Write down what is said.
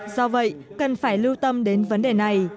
do vậy cần phải lưu tâm đến vấn đề này